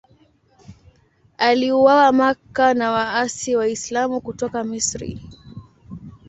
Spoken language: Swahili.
Aliuawa Makka na waasi Waislamu kutoka Misri.